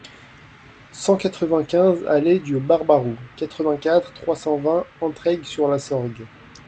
cent quatre-vingt-quinze allée du Barbaroux, quatre-vingt-quatre, trois cent vingt, Entraigues-sur-la-Sorgue